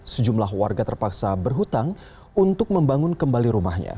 sejumlah warga terpaksa berhutang untuk membangun kembali rumahnya